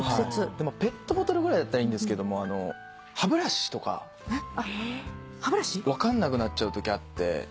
でもペットボトルぐらいだったらいいんですけども歯ブラシとか分かんなくなっちゃうときあって。